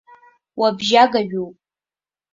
Уабжьагажәоуп.